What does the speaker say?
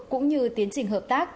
cũng như tiến trình hợp tác